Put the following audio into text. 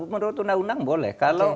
menurut tuna undang boleh